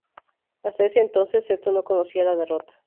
Hasta ese entonces, Seto no conocía la derrota.